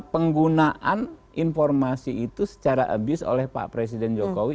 penggunaan informasi itu secara abuse oleh pak presiden jokowi